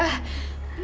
suara sakit tuh